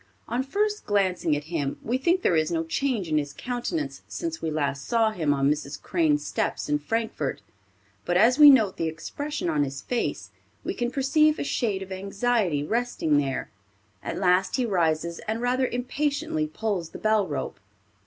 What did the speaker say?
On first glancing at him we think there is no change in his countenance since we last saw him on Mrs. Crane's steps in Frankfort, but as we note the expression of his face we can perceive a shade of anxiety resting there. At last he rises and rather impatiently pulls the bell rope.